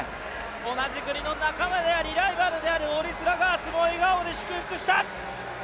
同じ国の仲間でありライバルであるオリスラガースも笑顔で祝福した。